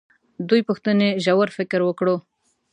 دوې پوښتنې ژور فکر وکړو.